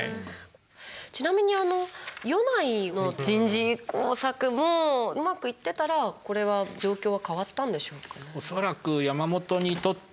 ちなみに米内の人事工作もうまくいってたらこれは状況は変わったんでしょうかね？